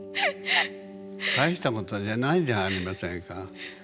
大したことじゃないじゃありませんか。